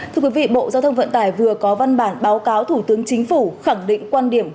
thưa quý vị bộ giao thông vận tải vừa có văn bản báo cáo thủ tướng chính phủ khẳng định quan điểm